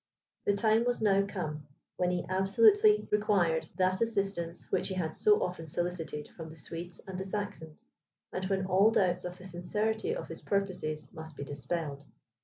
The time was now come, when he absolutely required that assistance, which he had so often solicited from the Swedes and the Saxons, and when all doubts of the sincerity of his purposes must be dispelled.